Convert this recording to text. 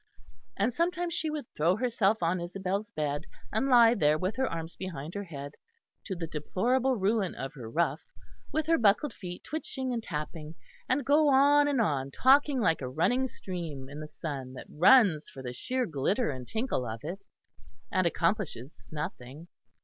And sometimes she would throw herself on Isabel's bed, and lie there with her arms behind her head, to the deplorable ruin of her ruff; with her buckled feet twitching and tapping; and go on and on talking like a running stream in the sun that runs for the sheer glitter and tinkle of it, and accomplishes nothing.